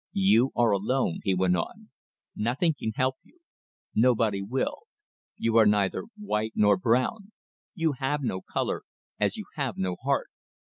"You are alone," he went on. "Nothing can help you. Nobody will. You are neither white nor brown. You have no colour as you have no heart.